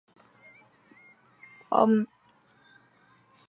并与佐贺县佑德稻荷神社以及茨城县笠间稻荷神社并称日本三大稻荷。